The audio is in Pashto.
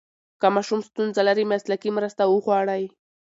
که ماشوم ستونزه لري، مسلکي مرسته وغواړئ.